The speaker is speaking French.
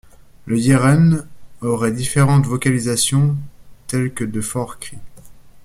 Le Yeren aurait différentes vocalisations, telles que de forts cris.